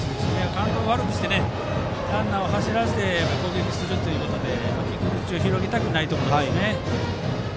カウントを悪くしてランナーを走らせて攻撃をするということで傷口を広げたくないところです。